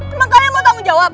teman kalian mau tanggung jawab